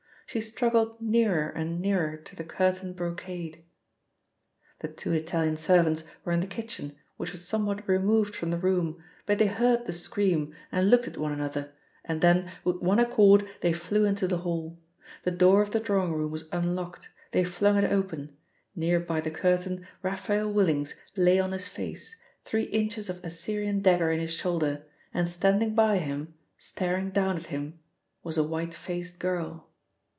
She struggled nearer and nearer to the curtained brocade.. The two Italian servants were in the kitchen which was somewhat removed from the room, but they heard the scream and looked at one another, and then with one accord they flew into the hall. The door of the drawing room was unlocked: they flung it open. Near by the curtain Raphael Willings lay on his face, three inches of Assyrian dagger in his shoulder, and standing by him, staring down at him, was a white faced girl.